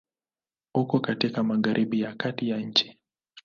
Uko katika Magharibi ya kati ya nchi.